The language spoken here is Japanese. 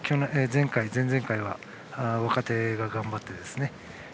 前回、前々回は若手が頑張って。